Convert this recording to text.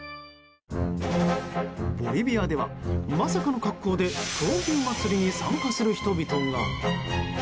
ボリビアでは、まさかの格好で闘牛祭りに参加する人々が。